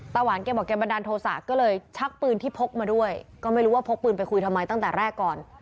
หวานแกบอกแกบันดาลโทษะก็เลยชักปืนที่พกมาด้วยก็ไม่รู้ว่าพกปืนไปคุยทำไมตั้งแต่แรกก่อน